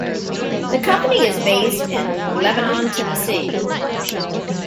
The company is based in Lebanon, Tennessee.